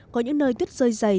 có những nơi tuyết rơi dày